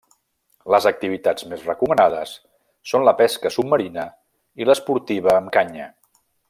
Les activitats més recomanades són la pesca submarina i l'esportiva amb canya.